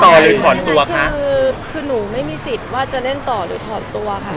หรือถอนตัวค่ะคือคือหนูไม่มีสิทธิ์ว่าจะเล่นต่อหรือถอดตัวค่ะ